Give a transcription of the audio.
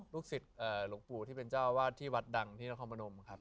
ศิษย์หลวงปู่ที่เป็นเจ้าวาดที่วัดดังที่นครพนมครับ